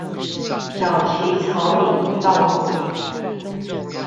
小旗草嶺道路